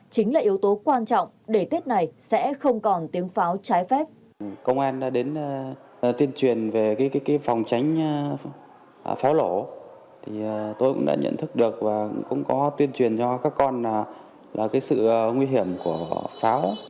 chính là yếu tố quan trọng để tết này sẽ không còn tiếng pháo trái phép